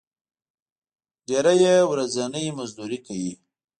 ډېری یې ورځنی مزدوري کوي.